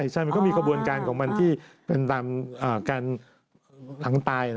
ใช่มันก็มีกระบวนการของมันที่เป็นตามการหลังตาย